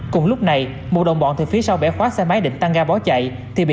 cùng lúc này một đồng bọn từ phía sau bẻ khóa xe máy định tăng ga bó chạy